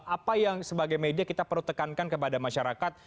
apa yang sebagai media kita perlu tekankan kepada masyarakat